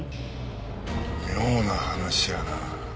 妙な話やな。